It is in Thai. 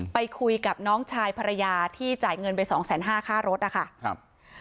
ไปคุยกับน้องชายภรรยาที่จ่ายเงินไปสองแสนห้าค่ารถนะคะครับ